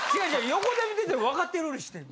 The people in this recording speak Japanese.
横で見てて分かってるふりしてる。